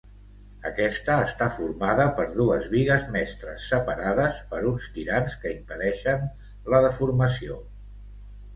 Aquesta està formada per dues bigues mestres separades per uns tirants que impedeixen la deformació.